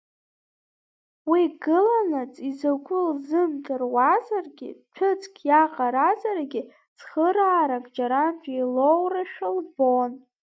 Уи гыланаҵ изакәу лзымдыруазаргьы, ҭәыцк иаҟаразаргьы цхыраарак џьарантәи илоурашәа лбон.